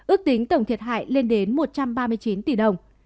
ước tính tổng thiệt hại lên đến một trăm ba mươi chín tỷ đồng